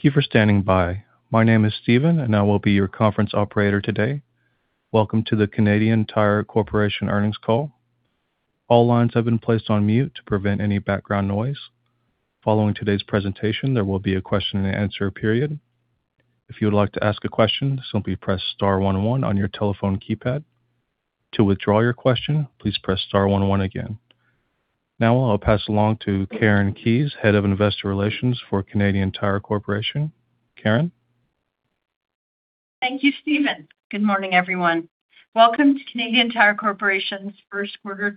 Thank you for standing by. My name is Steven. I will be your conference operator today. Welcome to the Canadian Tire Corporation earnings call. All lines have been placed on mute to prevent any background noise. Following today's presentation, there will be a question-and-answer period. If you would like to ask a question, simply press star one one on your telephone keypad. To withdraw your question, please press star one one again. Now I'll pass along to Karen Keyes, Head of Investor Relations for Canadian Tire Corporation. Karen. Thank you, Steven. Good morning, everyone. Welcome to Canadian Tire Corporation's Q1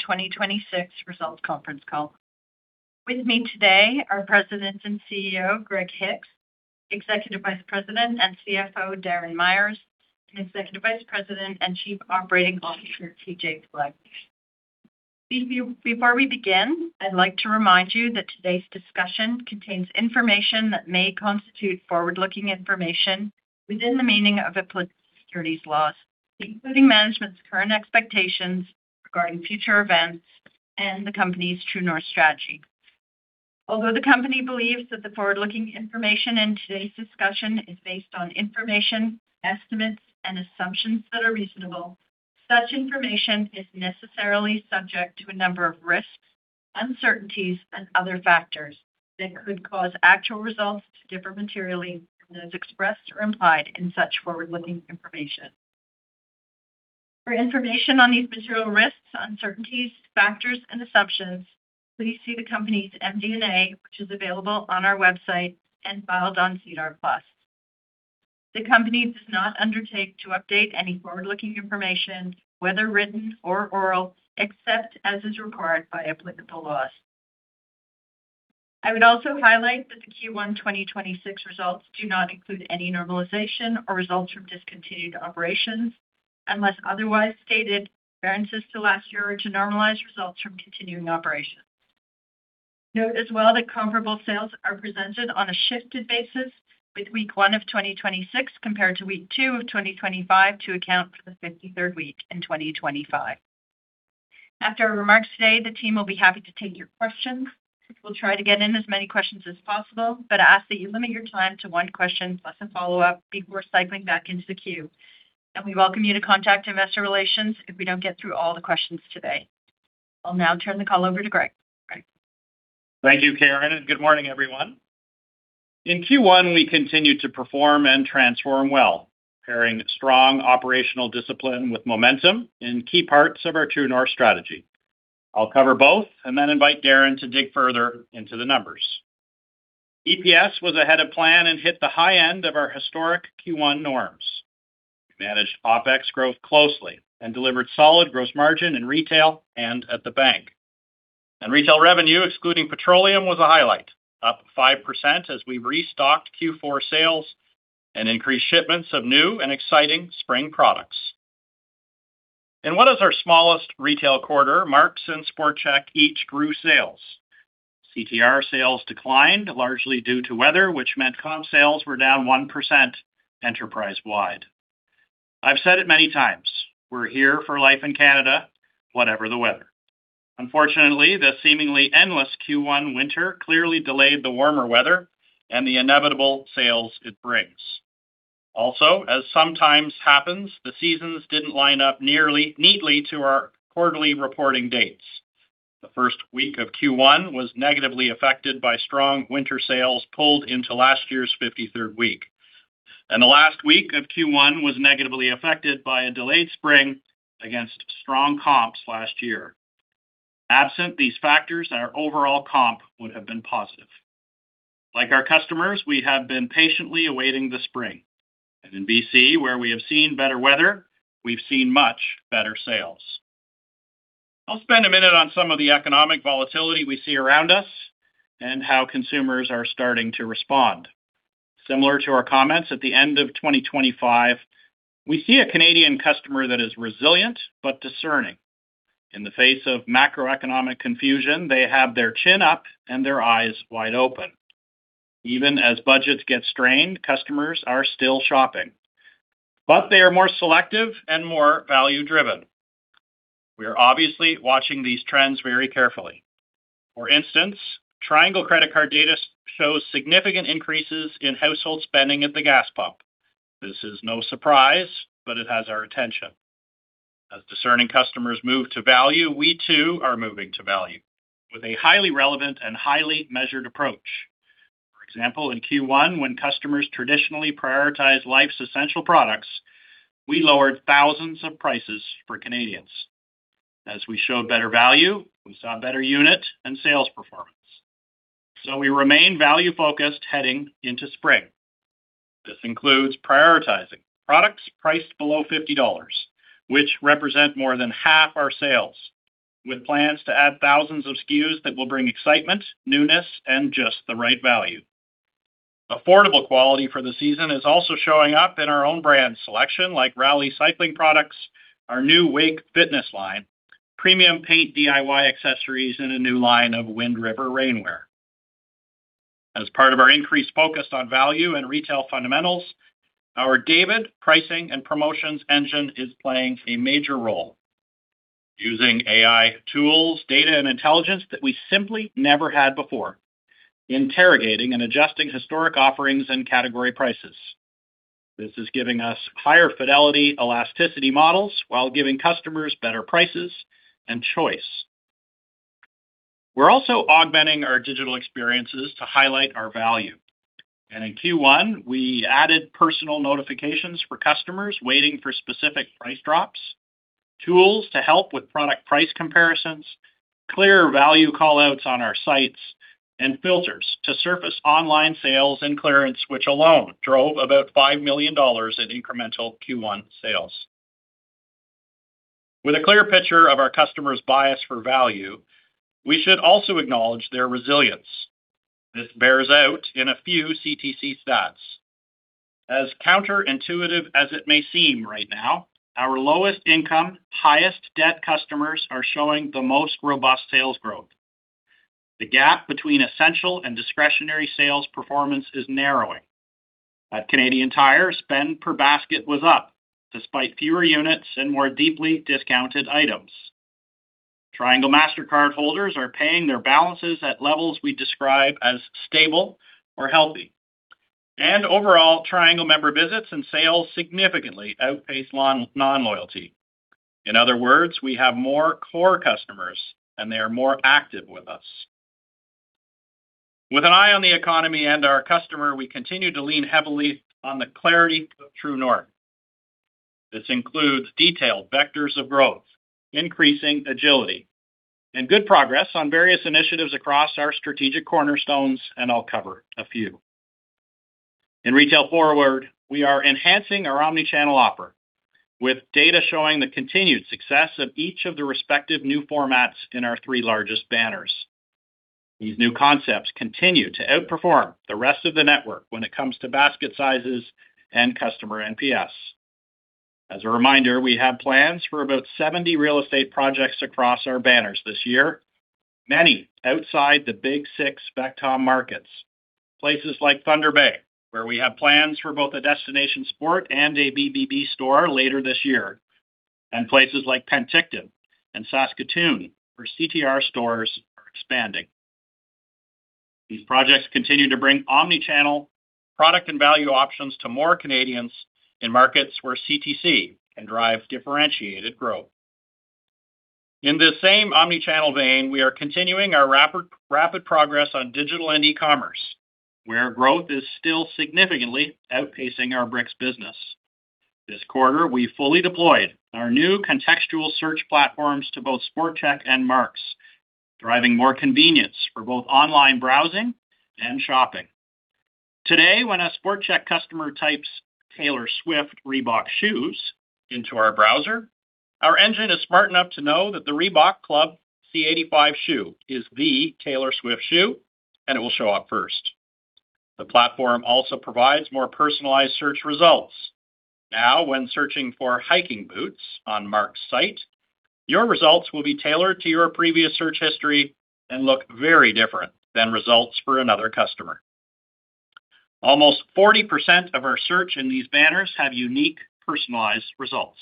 2026 results conference call. With me today are President and CEO, Greg Hicks, Executive Vice President and CFO, Darren Myers, and Executive Vice President and Chief Operating Officer, TJ Flood. Before we begin, I'd like to remind you that today's discussion contains information that may constitute forward-looking information within the meaning of applicable securities laws, including management's current expectations regarding future events and the company's True North strategy. Although the company believes that the forward-looking information in today's discussion is based on information, estimates, and assumptions that are reasonable, such information is necessarily subject to a number of risks, uncertainties, and other factors that could cause actual results to differ materially from those expressed or implied in such forward-looking information. For information on these material risks, uncertainties, factors, and assumptions, please see the company's MD&A, which is available on our website and filed on SEDAR+. The company does not undertake to update any forward-looking information, whether written or oral, except as is required by applicable laws. I would also highlight that the Q1 2026 results do not include any normalization or results from discontinued operations. Unless otherwise stated, variances to last year are to normalized results from continuing operations. Note as well that comparable sales are presented on a shifted basis with week one of 2026 compared to week two of 2025 to account for the 53rd week in 2025. After our remarks today, the team will be happy to take your questions. We'll try to get in as many questions as possible, but ask that you limit your time to one question plus a follow-up before cycling back into the queue. We welcome you to contact investor relations if we don't get through all the questions today. I'll now turn the call over to Greg. Greg? Thank you, Karen, and good morning, everyone. In Q1, we continued to perform and transform well, pairing strong operational discipline with momentum in key parts of our True North strategy. I'll cover both and then invite Darren to dig further into the numbers. EPS was ahead of plan and hit the high end of our historic Q1 norms. We managed OpEx growth closely and delivered solid gross margin in retail and at the bank. Retail revenue, excluding petroleum, was a highlight, up 5% as we restocked Q4 sales and increased shipments of new and exciting spring products. In what is our smallest retail quarter, Mark's and SportChek each grew sales. CTR sales declined largely due to weather, which meant comp sales were down 1% enterprise-wide. I've said it many times, we're here for life in Canada, whatever the weather. Unfortunately, the seemingly endless Q1 winter clearly delayed the warmer weather and the inevitable sales it brings. As sometimes happens, the seasons didn't line up neatly to our quarterly reporting dates. The first week of Q1 was negatively affected by strong winter sales pulled into last year's 53rd week, and the last week of Q1 was negatively affected by a delayed spring against strong comps last year. Absent these factors, our overall comp would have been positive. Like our customers, we have been patiently awaiting the spring. In B.C., where we have seen better weather, we've seen much better sales. I'll spend a minute on some of the economic volatility we see around us and how consumers are starting to respond. Similar to our comments at the end of 2025, we see a Canadian customer that is resilient but discerning. In the face of macroeconomic confusion, they have their chin up and their eyes wide open. Even as budgets get strained, customers are still shopping, but they are more selective and more value-driven. We are obviously watching these trends very carefully. For instance, Triangle Mastercard data shows significant increases in household spending at the gas pump. This is no surprise, but it has our attention. As discerning customers move to value, we too are moving to value with a highly relevant and highly measured approach. For example, in Q1, when customers traditionally prioritize life's essential products, we lowered thousands of prices for Canadians. As we show better value, we saw better unit and sales performance. We remain value-focused heading into spring. This includes prioritizing products priced below 50 dollars, which represent more than half our sales, with plans to add thousands of SKUs that will bring excitement, newness, and just the right value. Affordable quality for the season is also showing up in our own brand selection, like Raleigh Cycling products, our new WA:KE fitness line, premium paint DIY accessories, and a new line of WindRiver rainwear. As part of our increased focus on value and retail fundamentals, our David pricing and promotions engine is playing a major role. Using AI tools, data and intelligence that we simply never had before, interrogating and adjusting historic offerings and category prices. This is giving us higher fidelity elasticity models while giving customers better prices and choice. We're also augmenting our digital experiences to highlight our value. In Q1, we added personal notifications for customers waiting for specific price drops, tools to help with product price comparisons, clear value call-outs on our sites, and filters to surface online sales and clearance, which alone drove about 5 million dollars in incremental Q1 sales. With a clear picture of our customers' bias for value, we should also acknowledge their resilience. This bears out in a few CTC stats. As counterintuitive as it may seem right now, our lowest income, highest debt customers are showing the most robust sales growth. The gap between essential and discretionary sales performance is narrowing. At Canadian Tire, spend per basket was up despite fewer units and more deeply discounted items. Triangle Mastercard holders are paying their balances at levels we describe as stable or healthy. Overall, Triangle member visits and sales significantly outpace non-loyalty. In other words, we have more core customers and they are more active with us. With an eye on the economy and our customer, we continue to lean heavily on the clarity of True North. This includes detailed vectors of growth, increasing agility, and good progress on various initiatives across our strategic cornerstones, and I'll cover a few. In Retail Forward, we are enhancing our omni-channel offer with data showing the continued success of each of the respective new formats in our three largest banners. These new concepts continue to outperform the rest of the network when it comes to basket sizes and customer NPS. As a reminder, we have plans for about 70 real estate projects across our banners this year, many outside the Big Six [inaudible] markets. Places like Thunder Bay, where we have plans for both a destination sport and a BBB store later this year, and places like Penticton and Saskatoon, where CTR stores are expanding. These projects continue to bring omni-channel product and value options to more Canadians in markets where CTC can drive differentiated growth. In the same omni-channel vein, we are continuing our rapid progress on digital and e-commerce, where growth is still significantly outpacing our bricks business. This quarter, we fully deployed our new contextual search platforms to both SportChek and Mark's, driving more convenience for both online browsing and shopping. Today, when a SportChek customer types, "Taylor Swift Reebok shoes," into our browser, our engine is smart enough to know that the Reebok Club C 85 shoe is the Taylor Swift shoe, and it will show up first. The platform also provides more personalized search results. Now, when searching for hiking boots on Mark's site, your results will be tailored to your previous search history and look very different than results for another customer. Almost 40% of our search in these banners have unique, personalized results.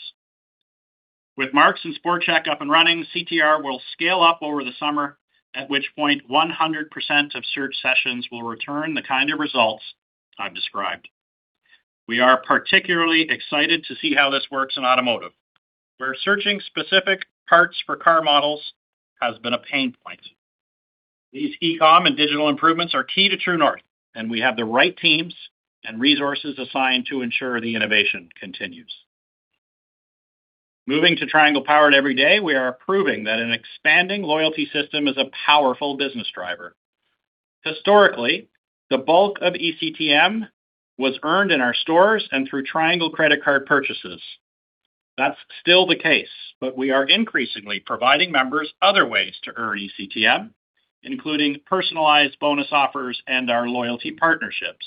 With Mark's and SportChek up and running, CTR will scale up over the summer, at which point 100% of search sessions will return the results I've described. We are particularly excited to see how this works in automotive, where searching specific parts for car models has been a pain point. These e-com and digital improvements are key to True North, and we have the right teams and resources assigned to ensure the innovation continues. Moving to Triangle Powered, Every Day, we are proving that an expanding loyalty system is a powerful business driver. Historically, the bulk of ECTM was earned in our stores and through Triangle credit card purchases. That's still the case, but we are increasingly providing members other ways to earn ECTM, including personalized bonus offers and our loyalty partnerships,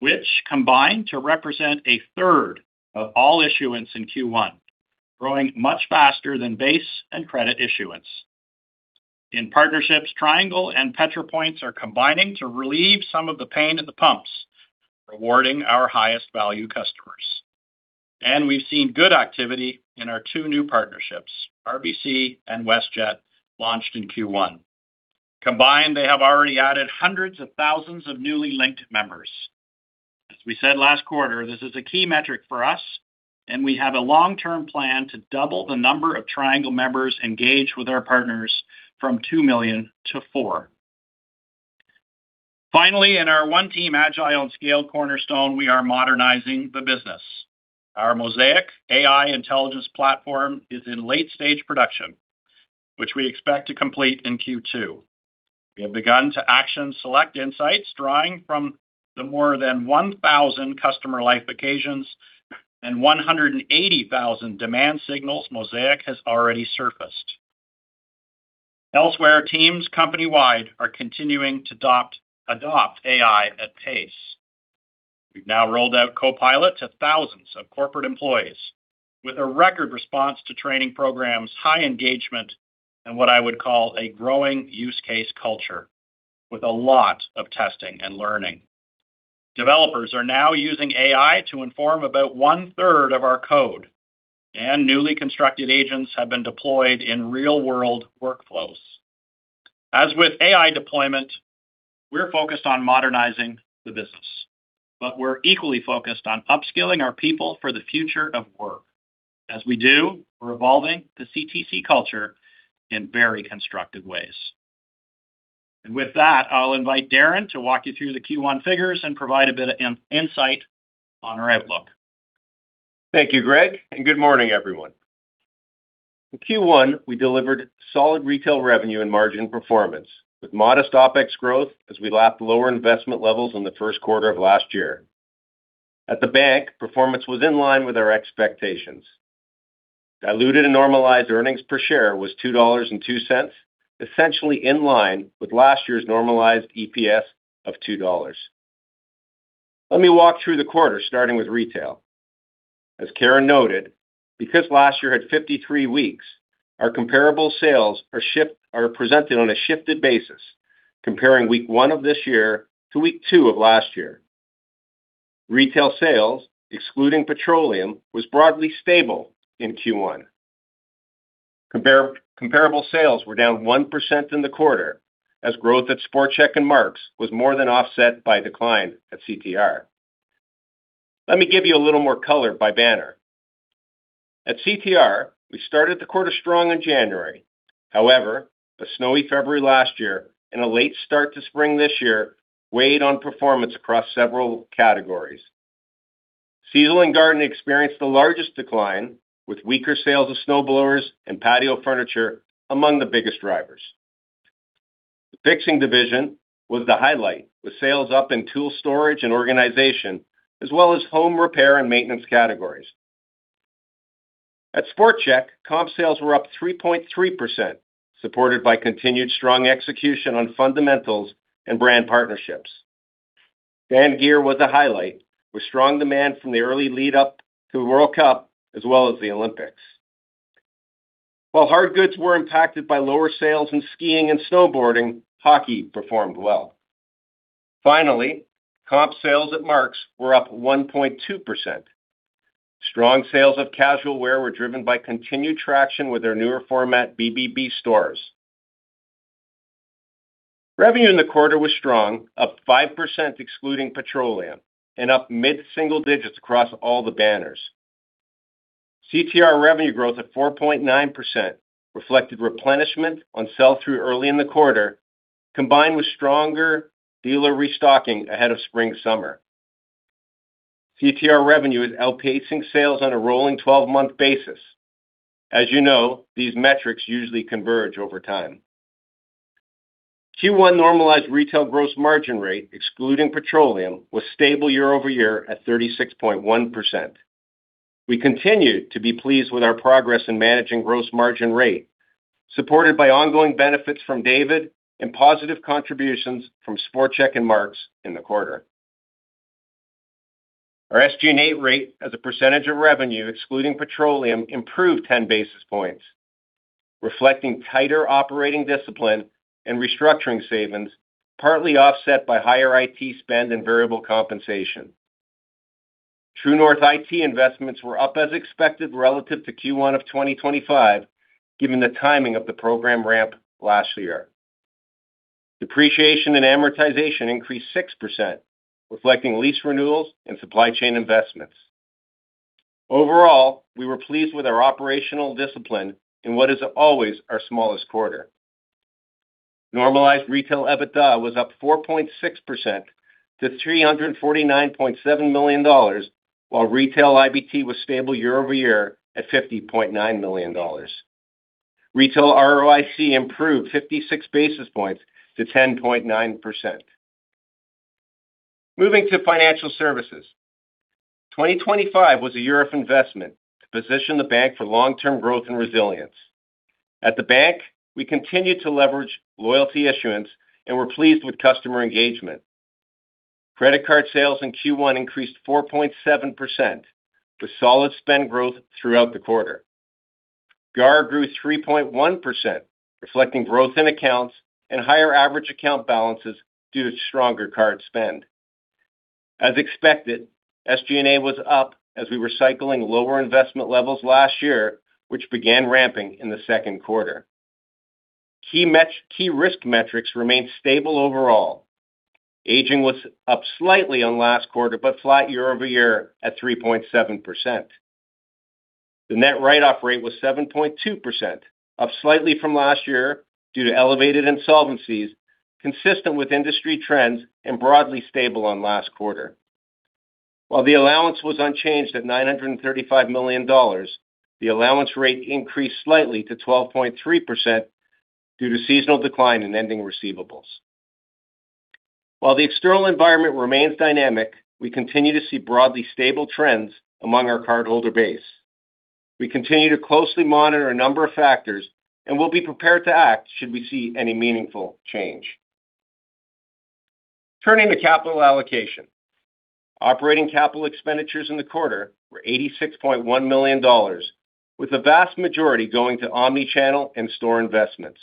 which combine to represent 1/3 of all issuance in Q1, growing much faster than base and credit issuance. In partnerships, Triangle and Petro-Points are combining to relieve some of the pain at the pumps, rewarding our highest value customers. We've seen good activity in our two new partnerships, RBC and WestJet, launched in Q1. Combined, they have already added hundreds of thousands of newly linked members. As we said last quarter, this is a key metric for us, and we have a long-term plan to double the number of Triangle members engaged with our partners from 2 million-4 million. Finally, in our One Team, Agile and Scaled cornerstone, we are modernizing the business. Our MOSaiC AI intelligence platform is in late-stage production, which we expect to complete in Q2. We have begun to action select insights drawing from the more than 1,000 customer life occasions and 180,000 demand signals MOSaiC has already surfaced. Elsewhere, teams company-wide are continuing to adopt AI at pace. We've now rolled out Copilot to thousands of corporate employees with a record response to training programs, high engagement, and what I would call a growing use case culture with a lot of testing and learning. Developers are now using AI to inform about one-third of our code, and newly constructed agents have been deployed in real-world workflows. As with AI deployment, we're focused on modernizing the business, but we're equally focused on upskilling our people for the future of work. As we do, we're evolving the CTC culture in very constructive ways. With that, I'll invite Darren to walk you through the Q1 figures and provide a bit of insight on our outlook. Thank you, Greg, and good morning, everyone. In Q1, we delivered solid retail revenue and margin performance with modest OpEx growth as we lapped lower investment levels in the Q1 of last year. At the bank, performance was in line with our expectations. Diluted and normalized earnings per share was 2.02 dollars, essentially in line with last year's normalized EPS of 2 dollars. Let me walk through the quarter, starting with retail. As Karen noted, because last year had 53 weeks, our comparable sales are presented on a shifted basis comparing week one of this year to week two of last year. Retail sales, excluding petroleum, was broadly stable in Q1. Comparable sales were down 1% in the quarter as growth at SportChek and Mark's was more than offset by decline at CTR. Let me give you a little more color by banner. At CTR, we started the quarter strong in January. However, a snowy February last year and a late start to spring this year weighed on performance across several categories. Season and garden experienced the largest decline, with weaker sales of snowblowers and patio furniture among the biggest drivers. The fixing division was the highlight, with sales up in tool storage and organization as well as home repair and maintenance categories. At SportChek, comp sales were up 3.3%, supported by continued strong execution on fundamentals and brand partnerships. Fan gear was a highlight, with strong demand from the early lead up to the World Cup as well as the Olympics. While hard goods were impacted by lower sales in skiing and snowboarding, hockey performed well. Finally, comp sales at Mark's were up 1.2%. Strong sales of casual wear were driven by continued traction with their newer format BBB stores. Revenue in the quarter was strong, up 5% excluding petroleum and up mid-single digits across all the banners. CTR revenue growth at 4.9% reflected replenishment on sell-through early in the quarter, combined with stronger dealer restocking ahead of spring-summer. CTR revenue is outpacing sales on a rolling 12-month basis. As you know, these metrics usually converge over time. Q1 normalized retail gross margin rate, excluding petroleum, was stable year-over-year at 36.1%. We continue to be pleased with our progress in managing gross margin rate, supported by ongoing benefits from David and positive contributions from SportChek and Mark's in the quarter. Our SG&A rate as a percentage of revenue excluding petroleum improved 10 basis points, reflecting tighter operating discipline and restructuring savings, partly offset by higher IT spend and variable compensation. True North IT investments were up as expected relative to Q1 of 2025, given the timing of the program ramp last year. Depreciation and amortization increased 6%, reflecting lease renewals and supply chain investments. Overall, we were pleased with our operational discipline in what is always our smallest quarter. Normalized retail EBITDA was up 4.6% to 349.7 million dollars while retail IBT was stable year-over-year at 50.9 million dollars. Retail ROIC improved 56 basis points to 10.9%. Moving to financial services. 2025 was a year of investment to position the bank for long-term growth and resilience. At the bank, we continued to leverage loyalty issuance and were pleased with customer engagement. Credit card sales in Q1 increased 4.7% with solid spend growth throughout the quarter. GAAR grew 3.1%, reflecting growth in accounts and higher average account balances due to stronger card spend. As expected, SG&A was up as we were cycling lower investment levels last year, which began ramping in the Q2. Key risk metrics remained stable overall. Aging was up slightly on last quarter, but flat year-over year at 3.7%. The net write-off rate was 7.2%, up slightly from last year due to elevated insolvencies, consistent with industry trends and broadly stable on last quarter. While the allowance was unchanged at 935 million dollars, the allowance rate increased slightly to 12.3% due to seasonal decline in ending receivables. While the external environment remains dynamic, we continue to see broadly stable trends among our cardholder base. We continue to closely monitor a number of factors and will be prepared to act should we see any meaningful change. Turning to capital allocation. Operating capital expenditures in the quarter were 86.1 million dollars, with the vast majority going to omni-channel and store investments.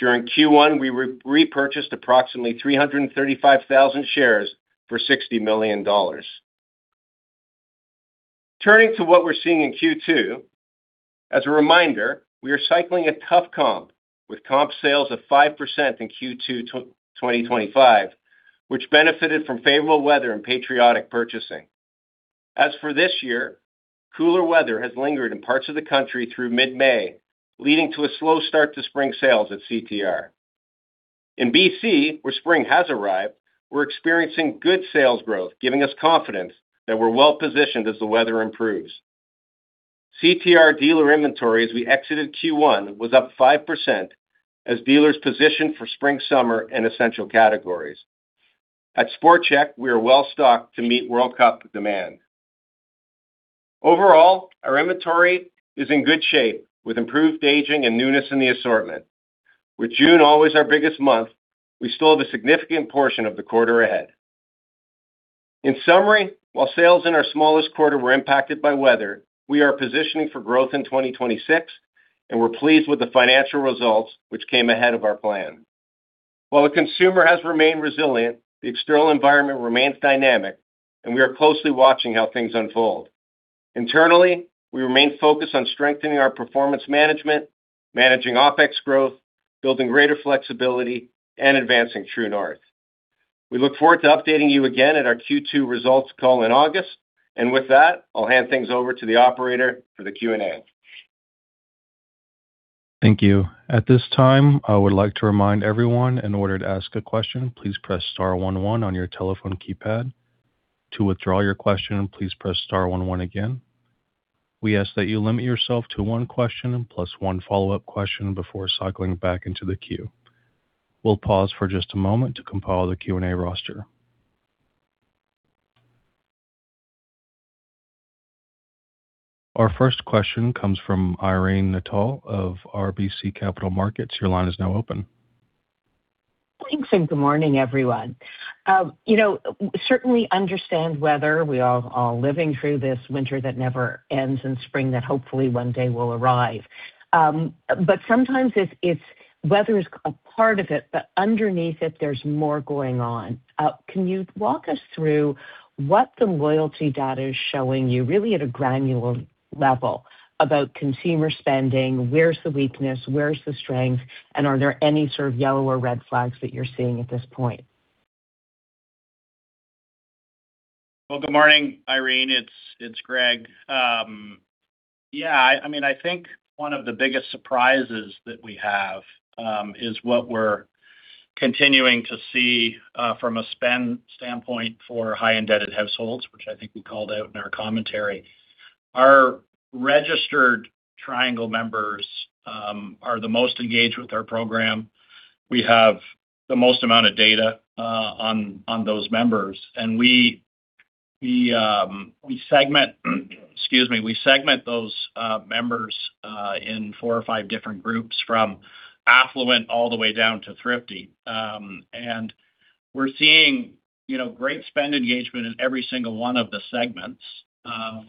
During Q1, we repurchased approximately 335,000 shares for 60 million dollars. Turning to what we're seeing in Q2, as a reminder, we are cycling a tough comp with comp sales of 5% in Q2 2025, which benefited from favorable weather and patriotic purchasing. As for this year, cooler weather has lingered in parts of the country through mid-May, leading to a slow start to spring sales at CTR. In BC, where spring has arrived, we're experiencing good sales growth, giving us confidence that we're well-positioned as the weather improves. CTR dealer inventory as we exited Q1 was up 5% as dealers positioned for spring, summer, and essential categories. At SportChek, we are well-stocked to meet World Cup demand. Overall, our inventory is in good shape with improved aging and newness in the assortment. With June always our biggest month, we still have a significant portion of the quarter ahead. In summary, while sales in our smallest quarter were impacted by weather, we are positioning for growth in 2026, and we're pleased with the financial results which came ahead of our plan. While the consumer has remained resilient, the external environment remains dynamic, and we are closely watching how things unfold. Internally, we remain focused on strengthening our performance management, managing OpEx growth, building greater flexibility, and advancing True North. We look forward to updating you again at our Q2 results call in August. With that, I'll hand things over to the operator for the Q&A. Thank you. At this time I would like to remind everyone in order to ask a question, please press star one one on your telephone keypad, to withdraw your question please press star one one again. We ask that you limit yourself to one question plus one follow-up question before cycling back into the queue. We'll pause for just a moment to compile the Q&A roster. Our first question comes from Irene Nattel of RBC Capital Markets. Your line is now open. Thanks, good morning, everyone. You know, certainly understand weather. We are all living through this winter that never ends and spring that hopefully one day will arrive. Sometimes it's weather is a part of it, but underneath it there's more going on. Can you walk us through what the loyalty data is showing you really at a granular level about consumer spending, where's the weakness, where's the strength, and are there any sort of yellow or red flags that you're seeing at this point? Well, good morning, Irene. It's Greg. Yeah, I mean, I think one of the biggest surprises that we have, is what we're continuing to see, from a spend standpoint for high-indebted households, which I think we called out in our commentary. Our registered Triangle members, are the most engaged with our program. We have the most amount of data, on those members, and we segment, excuse me, we segment those members, in four or five different groups from affluent all the way down to thrifty. We're seeing, you know, great spend engagement in every single one of the segments.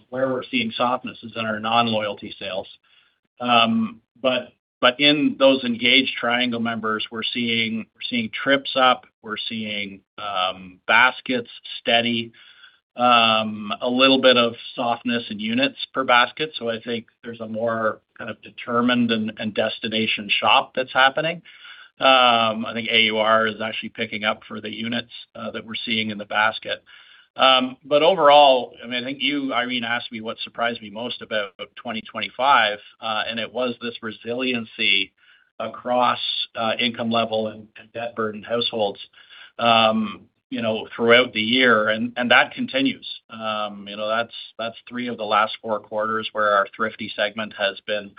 Where we're seeing softness is in our non-loyalty sales. But in those engaged Triangle members, we're seeing trips up, we're seeing baskets steady, a little bit of softness in units per basket. I think there's a more kind of determined and destination shop that's happening. I think AUR is actually picking up for the units that we're seeing in the basket. Overall, I mean, I think you, Irene, asked me what surprised me most about 2025, and it was this resiliency across income level and debt-burdened households, you know, throughout the year and that continues. You know, that's three of the last four quarters where our thrifty segment has been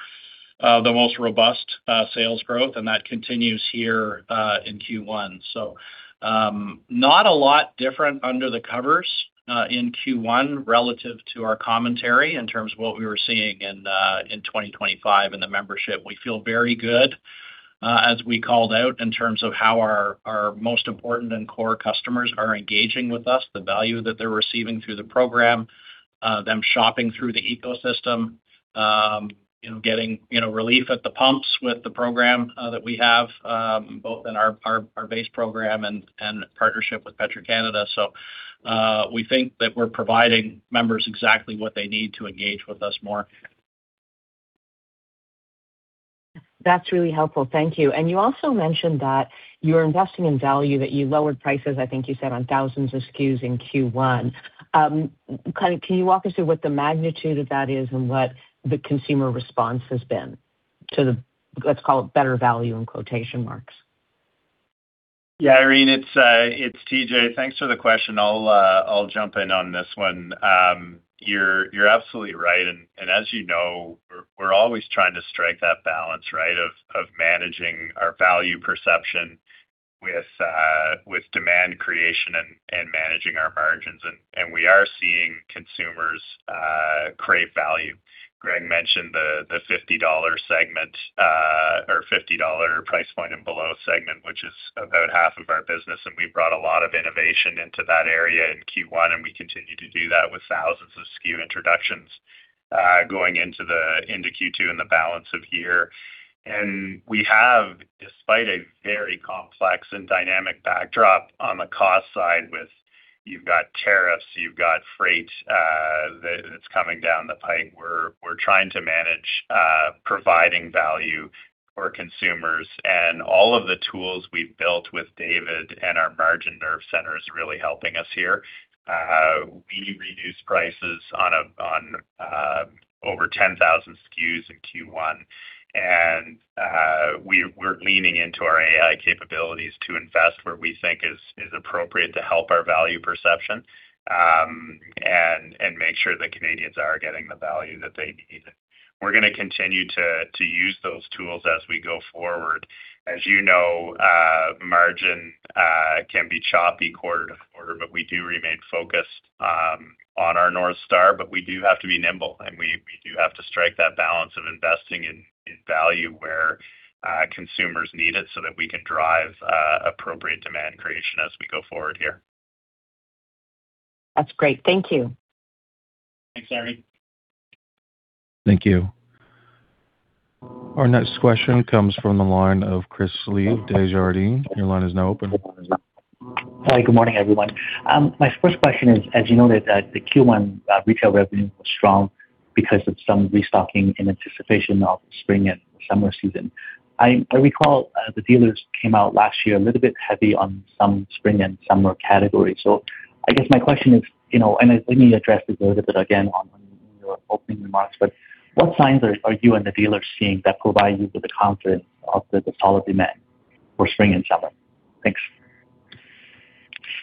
the most robust sales growth, and that continues here in Q1. Not a lot different under the covers in Q1 relative to our commentary in terms of what we were seeing in 2025 in the membership. We feel very good, as we called out in terms of how our most important and core customers are engaging with us, the value that they're receiving through the program, them shopping through the ecosystem, you know, getting, you know, relief at the pumps with the program that we have, both in our, our base program and partnership with Petro-Canada. We think that we're providing members exactly what they need to engage with us more. That's really helpful. Thank you. You also mentioned that you're investing in value, that you lowered prices, I think you said on thousands of SKUs in Q1. Kind of can you walk us through what the magnitude of that is and what the consumer response has been to the, let's call it better value in quotation marks? Yeah, Irene, it's TJ. Thanks for the question. I'll jump in on this one. You're absolutely right. As you know, we're always trying to strike that balance, right, of managing our value perception with demand creation and managing our margins. We are seeing consumers crave value. Greg mentioned the 50 dollar segment, or 50 dollar price point and below segment, which is about half of our business, and we brought a lot of innovation into that area in Q1, and we continue to do that with thousands of SKU introductions. Going into Q2 and the balance of year. We have, despite a very complex and dynamic backdrop on the cost side with you've got tariffs, you've got freight that's coming down the pipe. We're trying to manage providing value for consumers and all of the tools we've built with David and our Margin Nerve Center is really helping us here. We reduced prices over 10,000 SKUs in Q1 and we're leaning into our AI capabilities to invest where we think is appropriate to help our value perception and make sure that Canadians are getting the value that they need. We're gonna continue to use those tools as we go forward. As you know, margin can be choppy quarter-to-quarter, but we do remain focused on our North Star. We do have to be nimble, and we do have to strike that balance of investing in value where consumers need it so that we can drive appropriate demand creation as we go forward here. That's great. Thank you. Thanks, Irene. Thank you. Our next question comes from the line of Chris Li, Desjardins. Your line is now open. Good morning, everyone. My first question is, as you noted that the Q1 retail revenue was strong because of some restocking in anticipation of spring and summer season. I recall the dealers came out last year a little bit heavy on some spring and summer categories. I guess my question is, you know, and I think you addressed this a little bit again on, in your opening remarks, but what signs are you and the dealers seeing that provide you with the confidence of the solid demand for spring and summer? Thanks.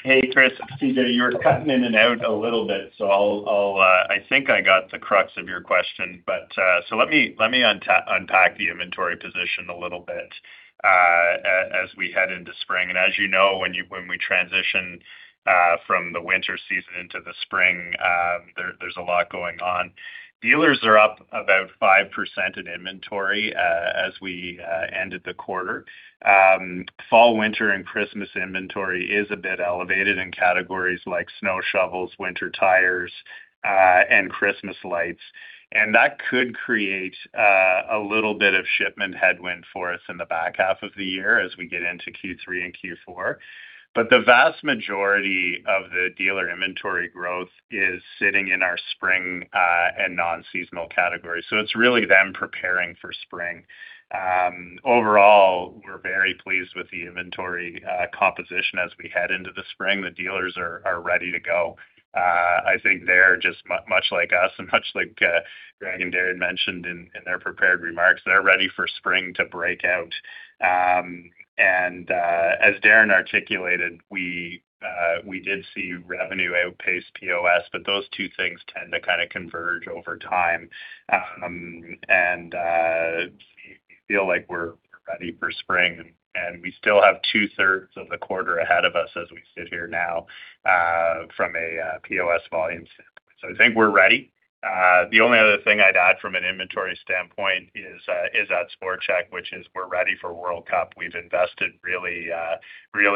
Hey, Chris. TJ, you're cutting in and out a little bit. I think I got the crux of your question. Let me unpack the inventory position a little bit as we head into spring. As you know, when we transition from the winter season into the spring, there's a lot going on. Dealers are up about 5% in inventory as we ended the quarter. Fall, winter, and Christmas inventory is a bit elevated in categories like snow shovels, winter tires, and Christmas lights. That could create a little bit of shipment headwind for us in the back half of the year as we get into Q3 and Q4. The vast majority of the dealer inventory growth is sitting in our spring and non-seasonal category. It's really them preparing for spring. Overall, we're very pleased with the inventory composition as we head into the spring. The dealers are ready to go. I think they're just much like us and much like Greg and Darren mentioned in their prepared remarks, they're ready for spring to break out. As Darren articulated, we did see revenue outpace POS, those two things tend to kind of converge over time. We feel like we're ready for spring, and we still have 2/3 of the quarter ahead of us as we sit here now from a POS volume standpoint. I think we're ready. The only other thing I'd add from an inventory standpoint is at SportChek, which is we're ready for World Cup. We've invested really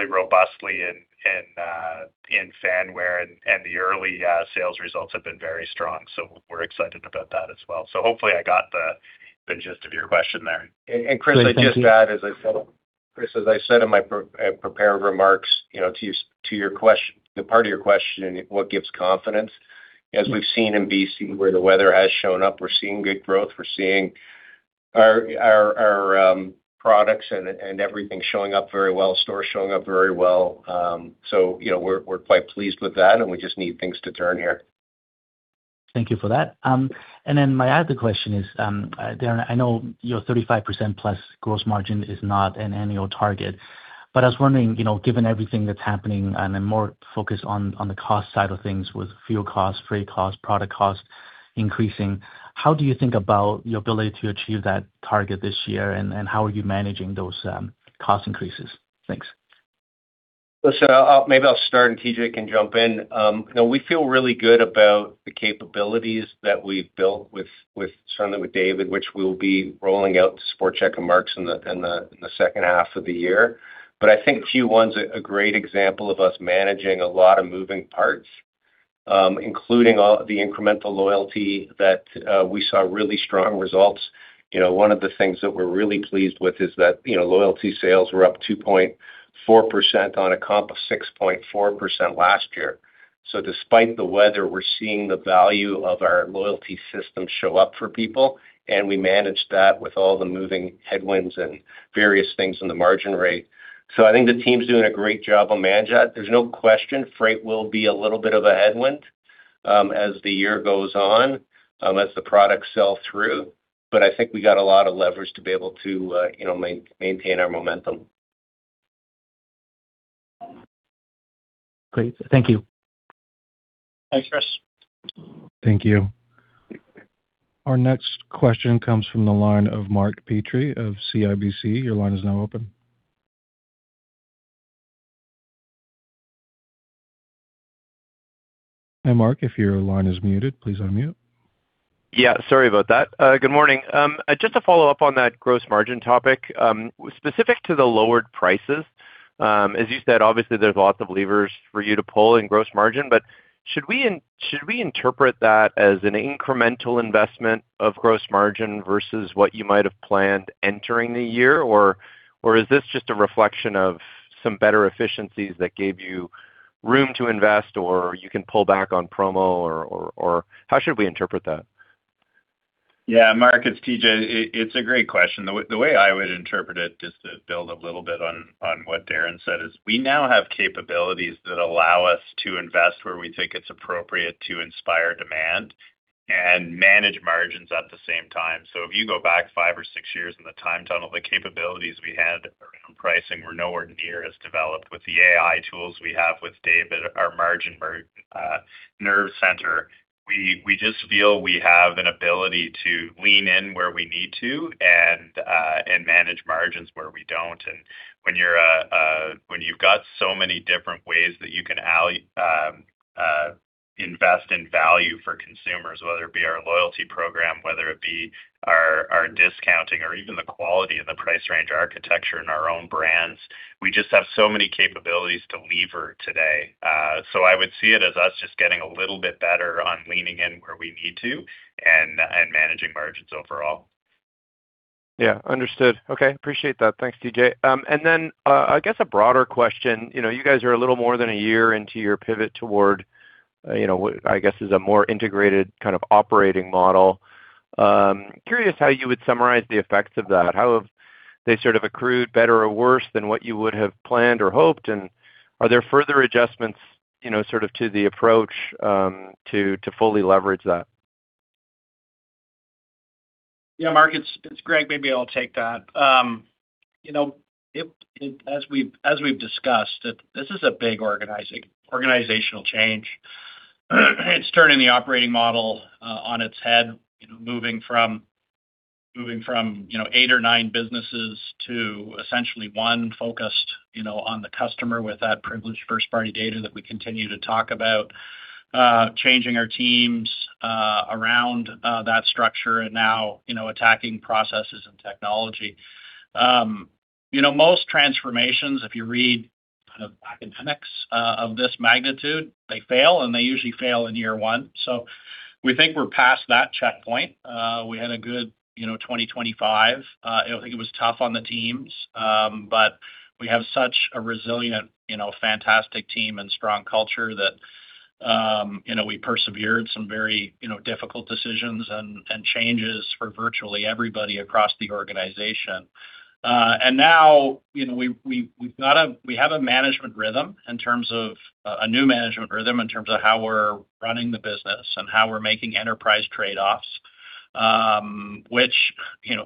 robustly in fan wear, and the early sales results have been very strong. We're excited about that as well. Hopefully I got the gist of your question there. Yeah, thank you. Chris, I'd just add, as I said Chris, in my pre-prepared remarks, you know, to your question, the part of your question, what gives confidence. As we've seen in B.C., where the weather has shown up, we're seeing good growth. We're seeing our products and everything showing up very well, stores showing up very well. You know, we're quite pleased with that, and we just need things to turn here. Thank you for that. And then my other question is, Darren, I know your 35%+ gross margin is not an annual target, but I was wondering, you know, given everything that's happening and then more focus on the cost side of things with fuel costs, freight costs, product costs increasing, how do you think about your ability to achieve that target this year, and how are you managing those cost increases? Thanks. Listen, I'll, maybe I'll start and TJ can jump in. You know, we feel really good about the capabilities that we've built with certainly with David, which we'll be rolling out to SportChek and Mark's in the H2 of the year. I think Q1's a great example of us managing a lot of moving parts, including all the incremental loyalty that we saw really strong results. You know, one of the things that we're really pleased with is that, you know, loyalty sales were up 2.4% on a comp of 6.4% last year. Despite the weather, we're seeing the value of our loyalty system show up for people, and we manage that with all the moving headwinds and various things in the margin rate. I think the team's doing a great job of managing that. There's no question freight will be a little bit of a headwind, as the year goes on, as the products sell through. I think we got a lot of leverage to be able to, you know, maintain our momentum. Great. Thank you. Thanks, Chris. Thank you. Our next question comes from the line of Mark Petrie of CIBC. Your line is now open. Mark, if your line is muted, please unmute. Yeah, sorry about that. Good morning. Just to follow up on that gross margin topic, specific to the lowered prices. As you said, obviously there's lots of levers for you to pull in gross margin. Should we interpret that as an incremental investment of gross margin versus what you might have planned entering the year? Or is this just a reflection of some better efficiencies that gave you room to invest, or you can pull back on promo or how should we interpret that? Yeah, Mark, it's TJ. It's a great question. The way I would interpret it, just to build a little bit on what Darren said, is we now have capabilities that allow us to invest where we think it's appropriate to inspire demand and manage margins at the same time. If you go back five or six years in the time tunnel, the capabilities we had around pricing were nowhere near as developed with the AI tools we have with David, our Margin Nerve Center. We just feel we have an ability to lean in where we need to and manage margins where we don't. When you're when you've got so many different ways that you can invest in value for consumers, whether it be our loyalty program, whether it be our discounting or even the quality of the price range architecture in our own brands, we just have so many capabilities to lever today. I would see it as us just getting a little bit better on leaning in where we need to and managing margins overall. Yeah, understood. Okay. Appreciate that. Thanks, TJ. I guess a broader question. You know, you guys are a little more than a year into your pivot toward, you know, what I guess is a more integrated kind of operating model. Curious how you would summarize the effects of that. How have they sort of accrued better or worse than what you would have planned or hoped? Are there further adjustments, you know, sort of to the approach, to fully leverage that? Yeah, Mark, it's Greg. Maybe I'll take that. As we've discussed, this is a big organizational change. It's turning the operating model on its head, moving from eight or nine businesses to essentially one focused on the customer with that privileged first-party data that we continue to talk about. Changing our teams around that structure and now attacking processes and technology. Most transformations, if you read kind of academics, of this magnitude, they fail, and they usually fail in year one. We think we're past that checkpoint. We had a good 2025. It was tough on the teams. We have such a resilient, you know, fantastic team and strong culture that we persevered some very, you know, difficult decisions and changes for virtually everybody across the organization. Now, you know, we have a management rhythm in terms of a new management rhythm in terms of how we're running the business and how we're making enterprise trade-offs. Which, you know,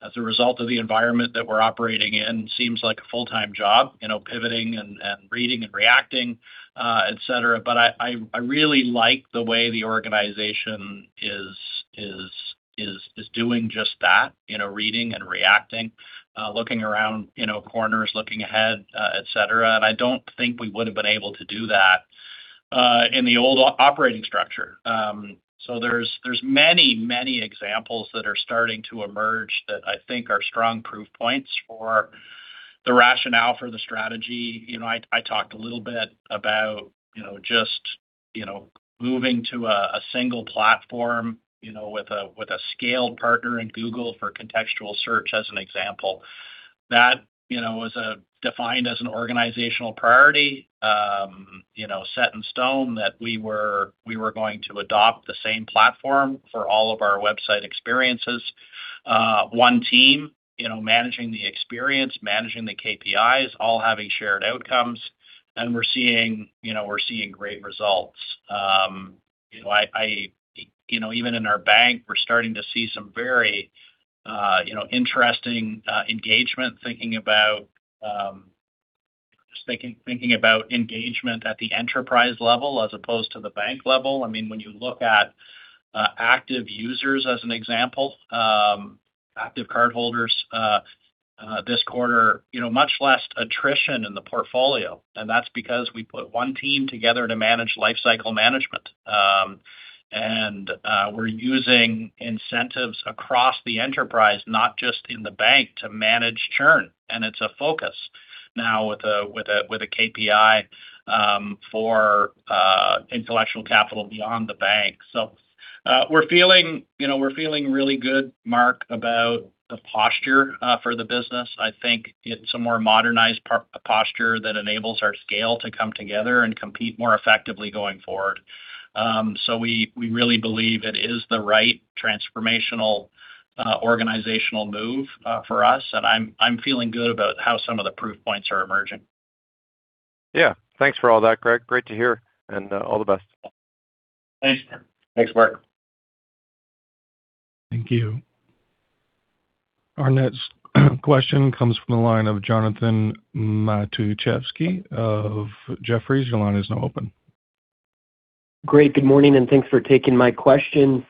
as a result of the environment that we're operating in, seems like a full-time job, you know, pivoting and reading and reacting, etc. I really like the way the organization is doing just that, you know, reading and reacting, looking around, you know, corners, looking ahead, etc. I don't think we would have been able to do that in the old operating structure. There's many, many examples that are starting to emerge that I think are strong proof points for the rationale for the strategy. You know, I talked a little bit about moving to a single platform with a scaled partner in Google for contextual search as an example. That, you know, was defined as an organizational priority, you know, set in stone that we were going to adopt the same platform for all of our website experiences. One team, you know, managing the experience, managing the KPIs, all having shared outcomes. We're seeing, you know, great results. You know, I, you know, even in our bank, we're starting to see some very, you know, interesting engagement, thinking about engagement at the enterprise level as opposed to the bank level. I mean, when you look at active users as an example, active cardholders, this quarter, you know, much less attrition in the portfolio. That's because we put one team together to manage life cycle management. We're using incentives across the enterprise, not just in the bank, to manage churn. It's a focus now with a KPI for intellectual capital beyond the bank. We're feeling, you know, we're feeling really good, Mark, about the posture for the business. I think it's a more modernized posture that enables our scale to come together and compete more effectively going forward. We really believe it is the right transformational organizational move for us. I'm feeling good about how some of the proof points are emerging. Yeah. Thanks for all that, Greg. Great to hear, and, all the best. Thanks, Mark. Thanks, Mark. Thank you. Our next question comes from the line of Jonathan Matuszewski of Jefferies. Great. Good morning, and thanks for taking my questions.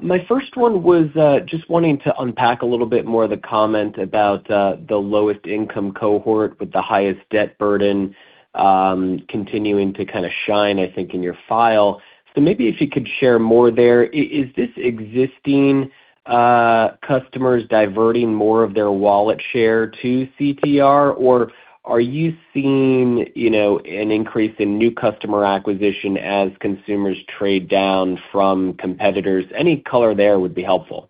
My first one was just wanting to unpack a little bit more of the comment about the lowest income cohort with the highest debt burden, continuing to kind of shine, I think, in your file. Maybe if you could share more there. Is this existing customers diverting more of their wallet share to CTR? Or are you seeing, you know, an increase in new customer acquisition as consumers trade down from competitors? Any color there would be helpful.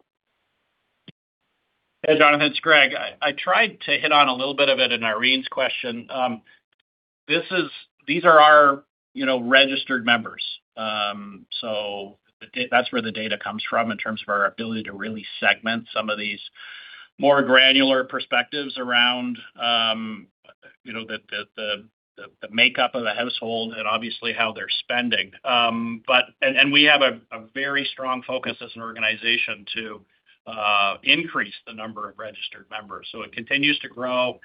Hey, Jonathan, it's Greg. I tried to hit on a little bit of it in Irene's question. These are our, you know, registered members. That's where the data comes from in terms of our ability to really segment some of these more granular perspectives around, you know, the makeup of the household and obviously how they're spending. We have a very strong focus as an organization to increase the number of registered members. It continues to grow.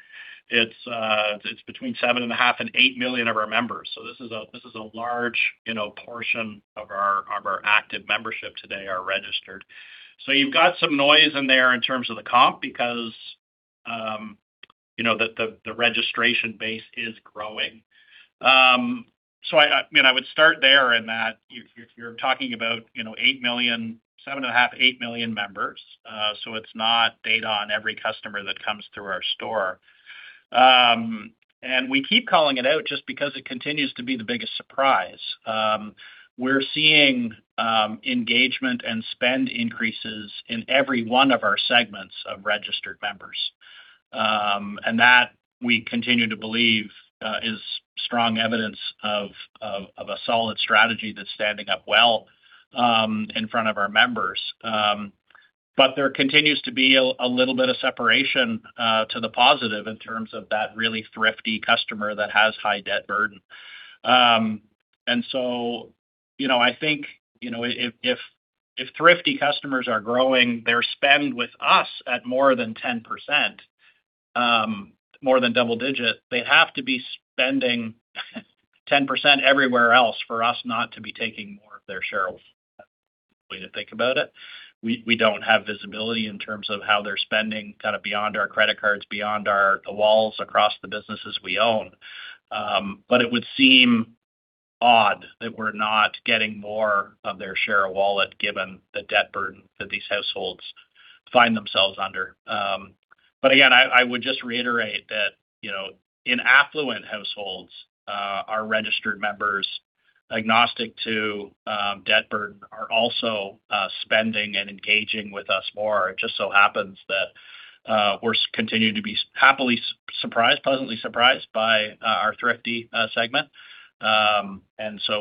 It's between 7.5 million and 8 million of our members. This is a large, you know, portion of our active membership today are registered. You've got some noise in there in terms of the comp because, you know, the registration base is growing. I mean, I would start there in that you're talking about, you know, 8 million, 7.5 million, 8 million members. It's not data on every customer that comes through our store. We keep calling it out just because it continues to be the biggest surprise. We're seeing engagement and spend increases in every one of our segments of registered members. That we continue to believe is strong evidence of a solid strategy that's standing up well in front of our members. There continues to be a little bit of separation to the positive in terms of that really thrifty customer that has high debt burden. You know, I think, you know, if thrifty customers are growing their spend with us at more than 10%, more than double digit, they'd have to be spending 10% everywhere else for us not to be taking more of their share of wallet, way to think about it. We don't have visibility in terms of how they're spending kind of beyond our credit cards, beyond the walls across the businesses we own. It would seem odd that we're not getting more of their share of wallet given the debt burden that these households find themselves under. Again, I would just reiterate that, you know, in affluent households, our registered members, agnostic to debt burden, are also spending and engaging with us more. It just so happens that we're continuing to be happily surprised, pleasantly surprised by our thrifty segment.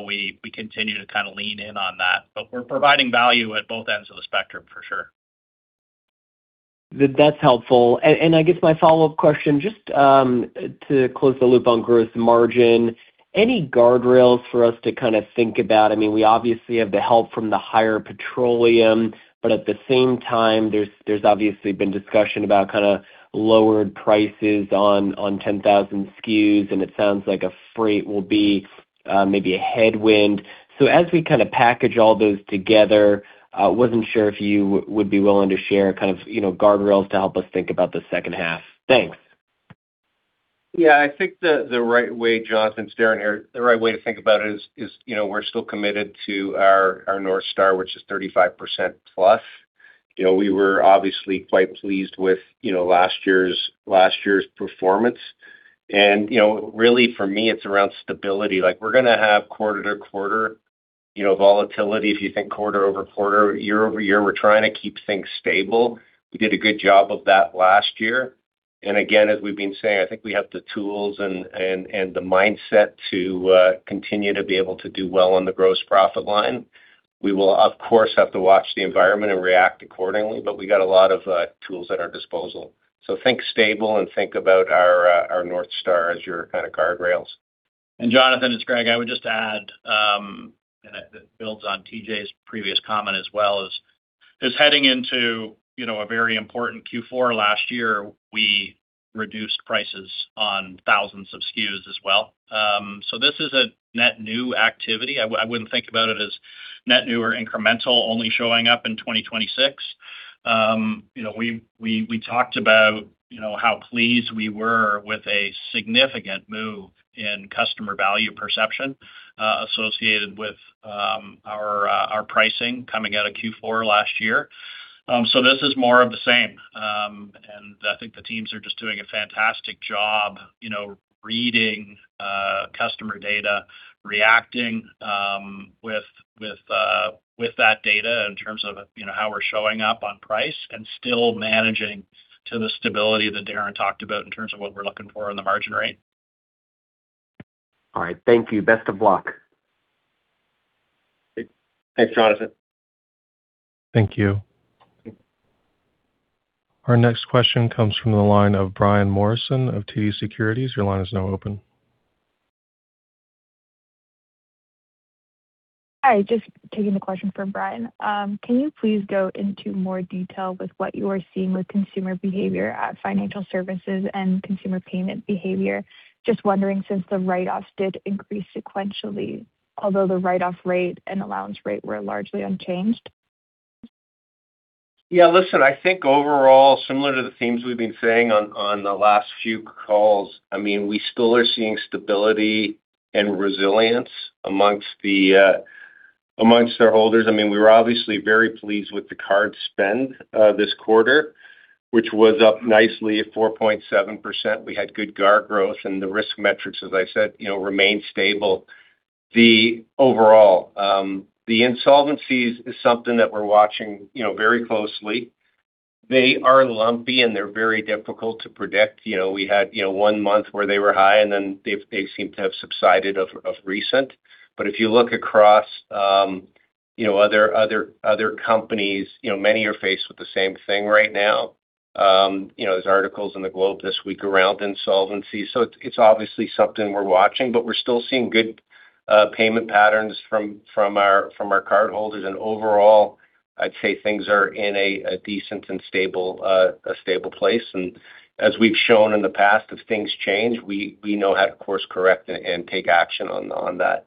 We continue to kind of lean in on that. We're providing value at both ends of the spectrum for sure. That's helpful. I guess my follow-up question, just to close the loop on gross margin, any guardrails for us to kind of think about? I mean, we obviously have the help from the higher petroleum, but at the same time, there's obviously been discussion about kind of lowered prices on 10,000 SKUs, and it sounds like a freight will be maybe a headwind. As we kind of package all those together, wasn't sure if you would be willing to share kind of, you know, guardrails to help us think about the H2. Thanks. Yeah. I think the right way, Jonathan, it's Darren here. The right way to think about it is, you know, we're still committed to our North Star, which is 35%+. You know, we were obviously quite pleased with, you know, last year's performance. You know, really for me, it's around stability. Like, we're gonna have quarter-to-quarter, you know, volatility. If you think quarter-over-quarter, year-over-year, we're trying to keep things stable. We did a good job of that last year. Again, as we've been saying, I think we have the tools and the mindset to continue to be able to do well on the gross profit line. We will, of course, have to watch the environment and react accordingly, but we got a lot of tools at our disposal. Think stable and think about our North Star as your kind of guardrails Jonathan, it's Greg. I would just add, it builds on TJ's previous comment as well, is heading into, you know, a very important Q4 last year, we reduced prices on thousands of SKUs as well. This is a net new activity. I wouldn't think about it as net new or incremental, only showing up in 2026. You know, we talked about, you know, how pleased we were with a significant move in customer value perception, associated with our pricing coming out of Q4 last year. This is more of the same. I think the teams are just doing a fantastic job, you know, reading, customer data, reacting, with that data in terms of, you know, how we're showing up on price and still managing to the stability that Darren talked about in terms of what we're looking for in the margin rate. All right. Thank you. Best of luck. Thanks, Jonathan. Thank you. Our next question comes from the line of Brian Morrison of TD Securities. Your line is now open. Hi, just taking the question from Brian. Can you please go into more detail with what you are seeing with consumer behavior at financial services and consumer payment behavior? Just wondering since the write-offs did increase sequentially, although the write-off rate and allowance rate were largely unchanged. Yeah, listen, I think overall, similar to the themes we've been saying on the last few calls. I mean, we still are seeing stability and resilience amongst our holders. I mean, we're obviously very pleased with the card spend this quarter, which was up nicely at 4.7%. We had good card growth, the risk metrics, as I said, you know, remain stable. The overall the insolvencies is something that we're watching, you know, very closely. They are lumpy, they're very difficult to predict. You know, we had, you know, one month where they were high, then they seem to have subsided of recent. If you look across, you know, other companies, you know, many are faced with the same thing right now. You know, there's articles in The Globe this week around insolvency, so it's obviously something we're watching, but we're still seeing good payment patterns from our cardholders. Overall, I'd say things are in a decent and stable place. As we've shown in the past, if things change, we know how to course-correct and take action on that.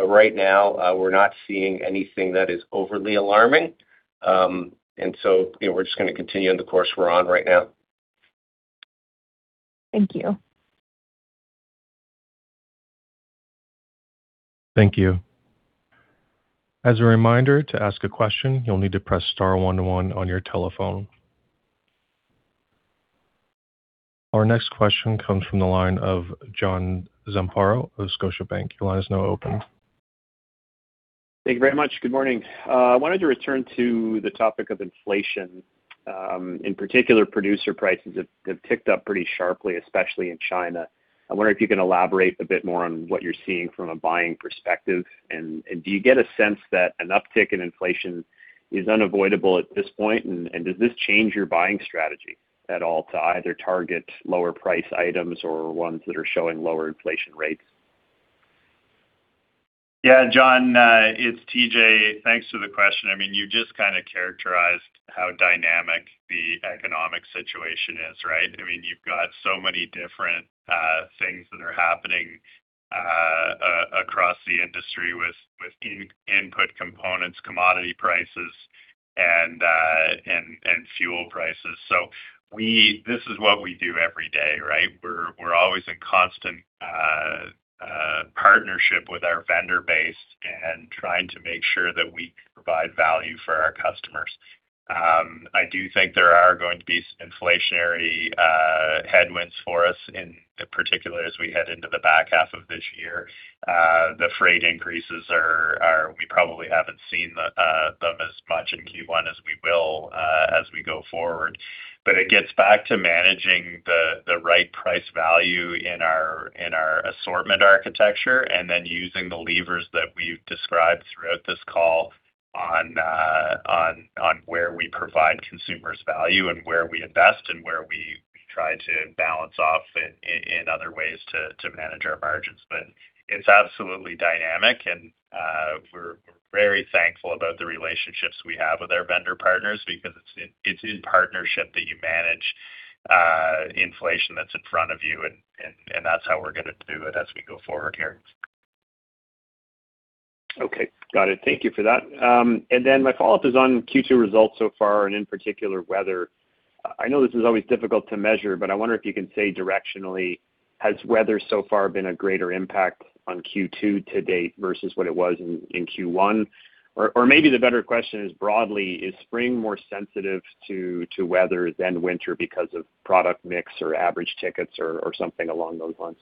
Right now, we're not seeing anything that is overly alarming. So, you know, we're just gonna continue on the course we're on right now. Thank you. Thank you. As a reminder, to ask a question, you'll need to press star one one on your telephone. Our next question comes from the line of John Zamparo of Scotiabank. Your line is now open. Thank you very much. Good morning. I wanted to return to the topic of inflation. In particular, producer prices have ticked up pretty sharply, especially in China. I wonder if you can elaborate a bit more on what you're seeing from a buying perspective. Do you get a sense that an uptick in inflation is unavoidable at this point? Does this change your buying strategy at all to either target lower price items or ones that are showing lower inflation rates? Yeah, John, it's TJ. Thanks for the question. I mean, you just kind of characterized how dynamic the economic situation is, right? I mean, you've got so many different things that are happening across the industry with input components, commodity prices and fuel prices. This is what we do every day, right? We're always in constant partnership with our vendor base and trying to make sure that we provide value for our customers. I do think there are going to be some inflationary headwinds for us, in particular, as we head into the back half of this year. The freight increases are we probably haven't seen them as much in Q1 as we will as we go forward. It gets back to managing the right price value in our, in our assortment architecture and then using the levers that we've described throughout this call on, on where we provide consumers value and where we invest and where we try to balance off in other ways to manage our margins. It's absolutely dynamic, and we're very thankful about the relationships we have with our vendor partners because it's in, it's in partnership that you manage, inflation that's in front of you. That's how we're gonna do it as we go forward here. Okay. Got it. Thank you for that. My follow-up is on Q2 results so far, and in particular, weather. I know this is always difficult to measure, but I wonder if you can say directionally, has weather so far been a greater impact on Q2 to date versus what it was in Q1? Or, or maybe the better question is, broadly, is spring more sensitive to weather than winter because of product mix or average tickets or something along those lines?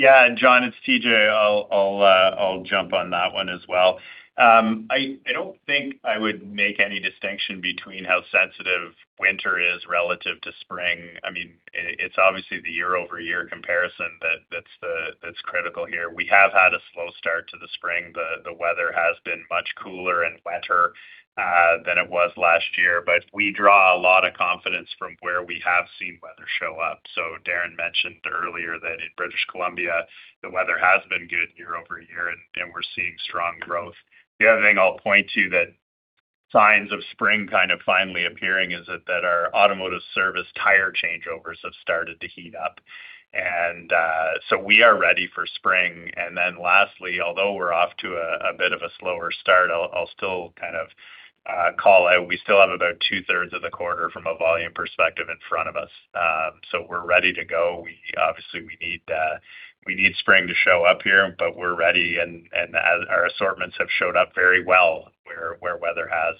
Yeah, John, it's TJ. I'll jump on that one as well. I don't think I would make any distinction between how sensitive winter is relative to spring. I mean, it's obviously the year-over-year comparison that's critical here. We have had a slow start to the spring. The weather has been much cooler and wetter than it was last year. We draw a lot of confidence from where we have seen weather show up. Darren mentioned earlier that in British Columbia, the weather has been good year-over-year, and we're seeing strong growth. The other thing I'll point to that signs of spring kind of finally appearing is that our automotive service tire changeovers have started to heat up. We are ready for spring. Lastly, although we're off to a bit of a slower start, I'll still kind of call out, we still have about 2/3 of the quarter from a volume perspective in front of us. We're ready to go. Obviously, we need spring to show up here, we're ready and as our assortments have showed up very well where weather has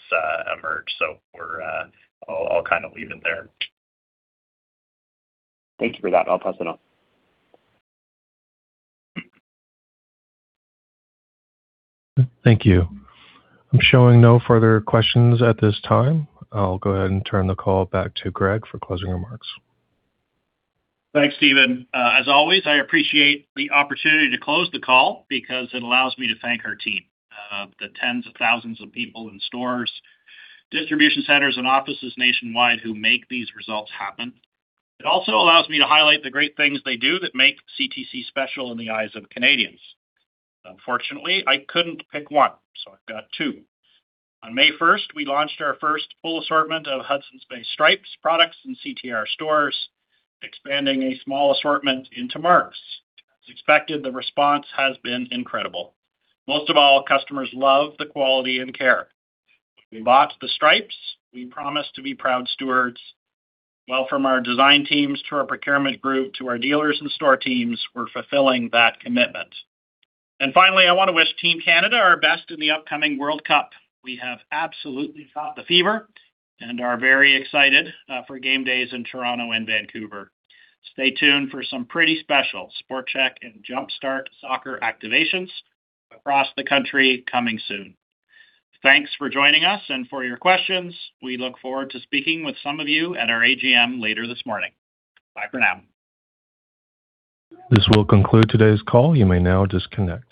emerged. I'll kind of leave it there. Thank you for that. I'll pass it on. Thank you. I'm showing no further questions at this time. I'll go ahead and turn the call back to Greg for closing remarks. Thanks, Steven. As always, I appreciate the opportunity to close the call because it allows me to thank our team, the tens of thousands of people in stores, distribution centers and offices nationwide who make these results happen. It also allows me to highlight the great things they do that make CTC special in the eyes of Canadians. Unfortunately, I couldn't pick one, so I've got two. On May first, we launched our first full assortment of Hudson's Bay Stripes products in CTR stores, expanding a small assortment into Mark's. As expected, the response has been incredible. Most of all, customers love the quality and care. We bought the stripes, we promised to be proud stewards. Well, from our design teams to our procurement group, to our dealers and store teams, we're fulfilling that commitment. Finally, I wanna wish Team Canada our best in the upcoming World Cup. We have absolutely caught the fever and are very excited for game days in Toronto and Vancouver. Stay tuned for some pretty special SportChek and Jumpstart soccer activations across the country coming soon. Thanks for joining us and for your questions. We look forward to speaking with some of you at our AGM later this morning. Bye for now. This will conclude today's call. You may now disconnect.